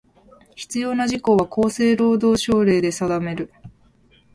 必要な事項は、厚生労働省令で定める。